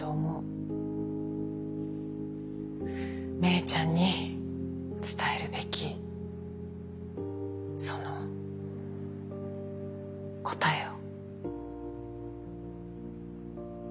芽依ちゃんに伝えるべきその答えを。